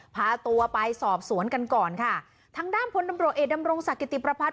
พาตัวไปสอบสวนกันก่อนค่ะทางด้านพลตำรวจเอกดำรงศักดิติประพัทธ